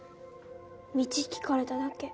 道聞かれただけ。